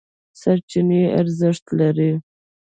سرچینې ارزښت لري.